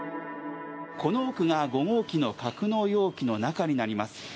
この奥が、５号機の格納容器の中になります。